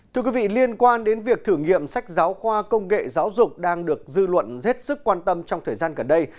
thưa quý vị liên quan đến việc thử nghiệm sách giáo khoa công nghệ giáo dục đang được dư luận hết sức quan tâm trong thời gian gần đây